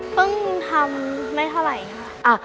เพิ่งทำไม่เท่าไหร่ค่ะ